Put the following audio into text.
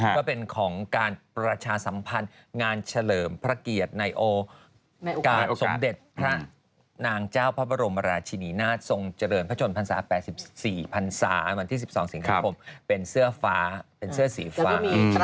ก็เป็นของการประชาสัมพันธ์งานเฉลิมพระเกียรติในโอกาสสมเด็จพระนางเจ้าพระบรมราชินีนาฏทรงเจริญพระชนพรรษา๘๔พันศาวันที่๑๒สิงหาคมเป็นเสื้อฟ้าเป็นเสื้อสีฟ้า